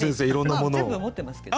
全部持ってますけどね。